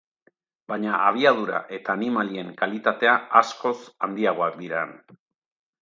Baina abiadura eta animalien kalitatea askoz handiagoak dira han.